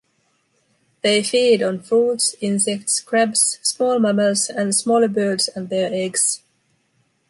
They feed on fruits, insects, crabs, small mammals and smaller birds and their eggs.